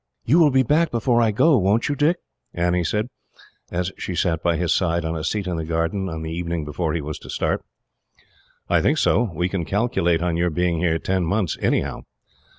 "You will be back before I go, won't you, Dick?" Annie said, as she sat by his side on a seat in the garden, on the evening before he was to start. "I think so," he said. "We can calculate on your being here ten months, anyhow.